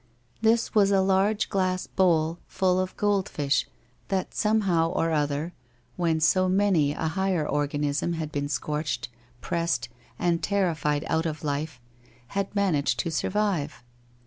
This was a large glass bowl full of gold fish that some how or other, when so many a higher organism had been scorched, pressed, and terrified out of life, had managed to survive.